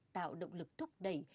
tạo động lực thúc đẩy